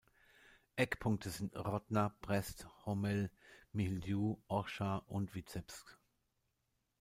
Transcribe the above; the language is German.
Eckpunkte sind Hrodna, Brest, Homel, Mahiljou, Orscha und Wizebsk.